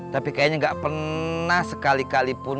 tapi kayaknya nggak pernah sekali kali pun